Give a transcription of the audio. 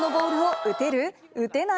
打てない？